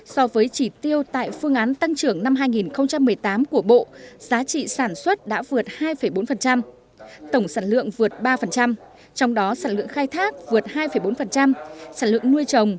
so với chỉ tiêu tại phương án tăng trưởng năm hai nghìn một mươi tám của bộ giá trị sản xuất đã vượt hai bốn tổng sản lượng vượt ba trong đó sản lượng khai thác vượt hai bốn sản lượng nuôi trồng